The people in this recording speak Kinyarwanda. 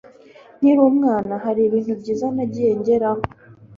nkiri umwana hari ibintu byiza nagiye ngeraho